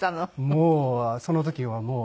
もうその時はもう。